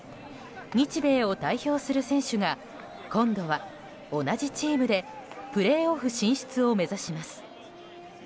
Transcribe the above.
日米を代表する選手が今度は同じチームでプレーオフ進出を目指します。